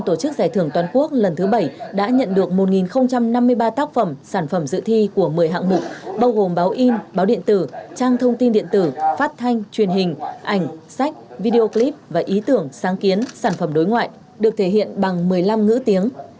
tổ chức giải thưởng toàn quốc lần thứ bảy đã nhận được một năm mươi ba tác phẩm sản phẩm dự thi của một mươi hạng mục bao gồm báo in báo điện tử trang thông tin điện tử phát thanh truyền hình ảnh sách video clip và ý tưởng sáng kiến sản phẩm đối ngoại được thể hiện bằng một mươi năm ngữ tiếng